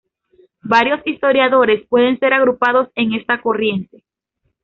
Varios historiadores pueden ser agrupados en esta corriente.